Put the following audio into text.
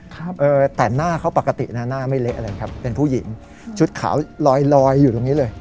เออแต่หน้าเขาปกตินะหน้าไม่เละเลยครับเป็นผู้หญิงชุดขาวลอยลอยอยู่ตรงนี้เลย